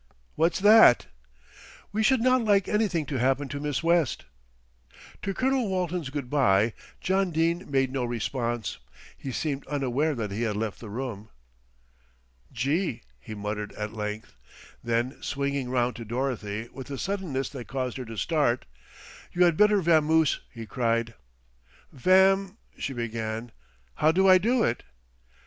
"What's that?" "We should not like anything to happen to Miss West." To Colonel Walton's "Good day" John Dene made no response, he seemed unaware that he had left the room. "Gee!" he muttered at length, then swinging round to Dorothy with a suddenness that caused her to start, "You had better vamoose," he cried. "Vam " she began. "How do I do it?"